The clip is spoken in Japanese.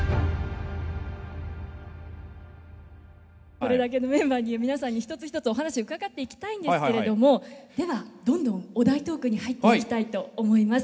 これだけのメンバーに皆さんに一つ一つお話伺っていきたいんですけれどもではどんどんお題トークに入っていきたいと思います。